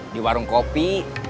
di warung kopi